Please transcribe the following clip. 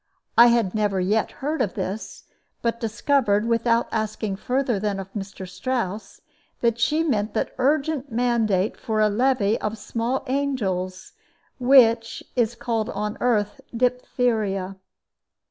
I had never yet heard of this, but discovered, without asking further than of Mr. Strouss, that she meant that urgent mandate for a levy of small angels which is called on earth "diphtheria."